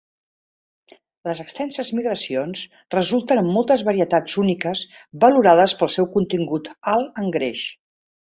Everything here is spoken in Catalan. Les extenses migracions resulten en moltes varietats úniques valorades pel seu contingut alt en greix.